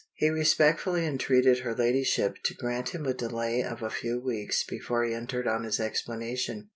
He respectfully entreated her Ladyship to grant him a delay of a few weeks before he entered on his explanation.